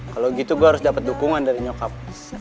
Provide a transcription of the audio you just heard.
kalo gitu gue harus dapet dukungan dari nyokap